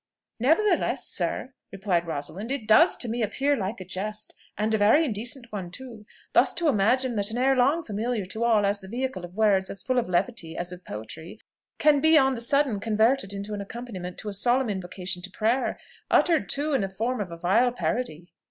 "Nevertheless, sir," rejoined Rosalind, "it does to me appear like a jest, and a very indecent one too, thus to imagine that an air long familiar to all as the vehicle of words as full of levity as of poetry can be on the sudden converted into an accompaniment to a solemn invocation to prayer uttered, too, in the form of a vile parody."